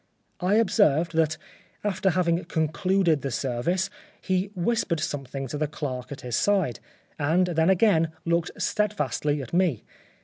I observed that, after having concluded the service, he whispered something to the clerk at his side, and then again looked steadfastly at me.